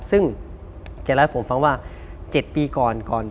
ซึ่งเค้าเล่าให้ผมฟังว่า๗ปีก่อน